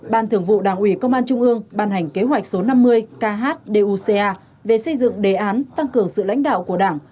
ban thường vụ đảng ủy công an trung ương ban hành kế hoạch số năm mươi khduca về xây dựng đề án tăng cường sự lãnh đạo của đảng